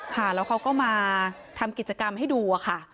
แล้วเขาก็มาทำกิจกรรมให้ดูค่ะ